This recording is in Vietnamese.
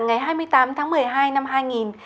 ngày hai mươi tám tháng một mươi hai năm hai nghìn hai